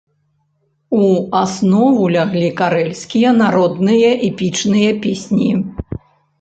У аснову ляглі карэльскія народныя эпічныя песні.